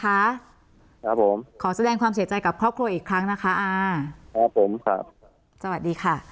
ครับครับผมขอแสดงความเสียใจกับครอบครัวอีกครั้งนะคะอ่าครับผมครับสวัสดีค่ะ